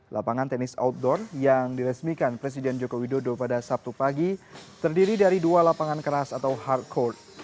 lapangan tenis outdoor yang diresmikan presiden joko widodo pada sabtu pagi terdiri dari dua lapangan keras atau hard court